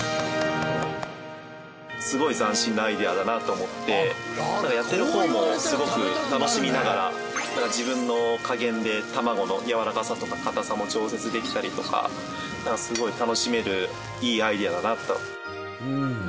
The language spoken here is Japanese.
すごい斬新なアイデアだなと思ってやってる方もすごく楽しみながら自分の加減で卵のやわらかさとか硬さも調節できたりとかすごい楽しめるいいアイデアだなと。